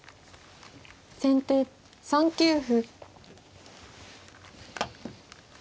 先手３九歩。